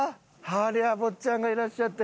ありゃ坊ちゃんがいらっしゃって。